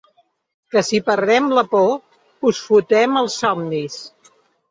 Que si perdem la por, us fotem els somnis.